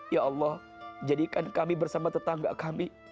ya allah jadikan kami bersama tetangga kami